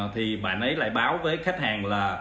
thì bạn ấy lại báo với khách hàng là